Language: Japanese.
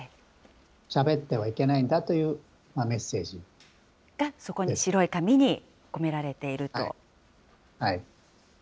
しゃべってはいけないんだというが、そこに白い紙に、込めらはい。